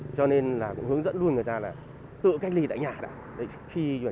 cho nên là cũng hướng dẫn luôn người ta là tự cách ly tại nhà đã